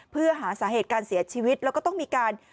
เพื่อหาสาเหตุการเสียชีวิตแล้วก็ต้องมีการ